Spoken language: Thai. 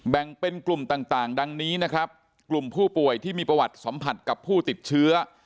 แบ่งเป็นกลุ่มต่างดังนี้นะครับกลุ่มผู้ป่วยที่มีประวัติสัมผัสกับผู้ติดเชื้อ